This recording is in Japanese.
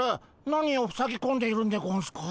何をふさぎこんでいるんでゴンスか？